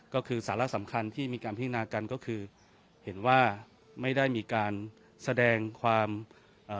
ก็คือสาระสำคัญที่มีการพิจารณากันก็คือเห็นว่าไม่ได้มีการแสดงความเอ่อ